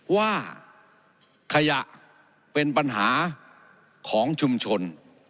ว่าขยะเป็นปัญหาของชุมชน